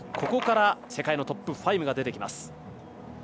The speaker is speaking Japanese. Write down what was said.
ここから世界のトップ５が出てきます。